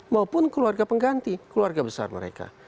maupun keluarga pengganti keluarga besar mereka